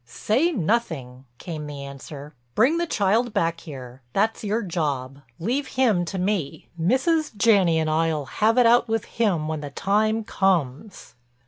"Say nothing," came the answer. "Bring the child back here—that's your job. Leave him to me. Mrs. Janney and I'll have it out with him when the time comes."